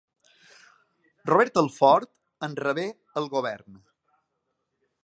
Robert El Fort en rebé el govern.